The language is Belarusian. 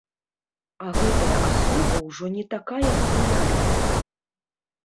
А гэтая асоба ўжо не такая папулярная.